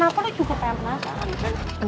kenapa lo cukup pengen penasaran